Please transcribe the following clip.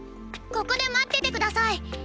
ここで待ってて下さい。